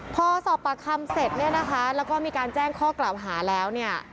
พอสอบปากคำเสร็จเนี่ยนะคะแล้วก็มีการแจ้งข้อกล่าวหาแล้วเนี่ย